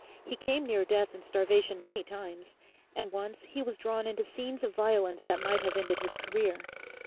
He came near death and starvation many times, and once he was drawn into scenes of violence that might have ended his career.